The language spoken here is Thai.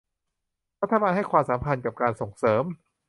รัฐบาลให้ความสำคัญกับการส่งเสริม